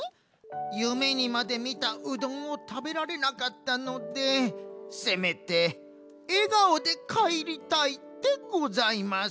ゆめにまでみたうどんをたべられなかったのでせめてえがおでかえりたいでございます。